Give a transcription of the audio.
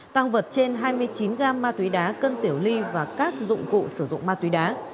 tăng vật trên hai mươi chín gam ma túy đá cân tiểu ly và các dụng cụ sử dụng ma túy đá